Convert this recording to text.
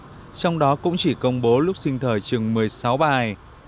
trong đó cũng chỉ công bố lúc sinh thời chừng một mươi sáu bài